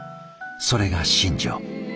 それが信条。